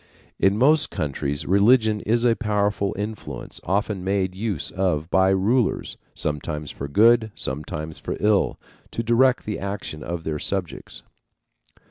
In most countries religion is a powerful influence often made use of by rulers, sometimes for good, sometimes for ill, to direct the action of their subjects.